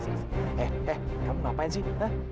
eh eh kamu ngapain sih